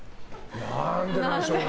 何でなんでしょうね。